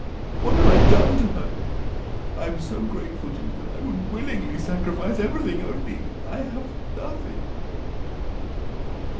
What have I done to her? I am so grateful to you that I would willingly sacrifice everything, only I have nothing...."